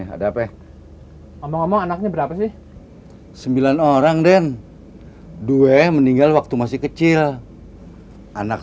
ada apa ngomong ngomong anaknya berapa sih sembilan orang den due meninggal waktu masih kecil anak